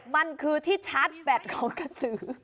มันคือที่ชาร์จแบตของกระสือ